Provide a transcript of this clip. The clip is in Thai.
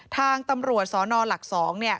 ทางตำรวจสนหลัก๒